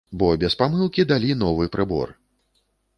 Бо без памылкі далі новы прыбор!